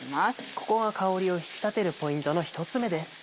ここが香りを引き立てるポイントの１つ目です。